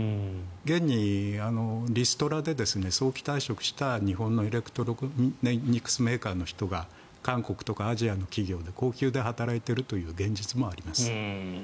現にリストラで早期退職して日本のエレクトロニクスメーカーの人が韓国とかアジアの企業で高給で働いているという現実もあります。